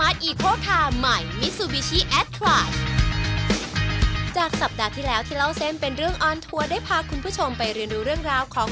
จิตย่าจิตย่าจิตย่าจิตย่าจิตย่า